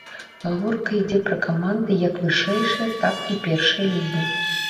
Гаворка ідзе пра каманды як вышэйшай, так і першай лігі.